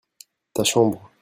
ta chambre.